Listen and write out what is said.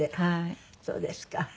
そうですか。